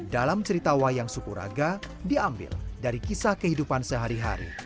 dalam cerita wayang sukuraga diambil dari kisah kehidupan sehari hari